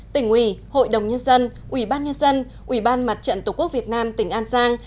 tỉnh ủy hội đồng nhân dân ủy ban nhân dân ủy ban mặt trận tổ quốc việt nam tỉnh an giang